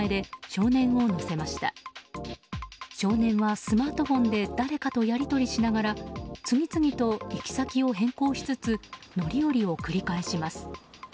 少年はスマートフォンで誰かとやり取りしながら次々と行き先を変更しつつ乗り降りを繰り返します。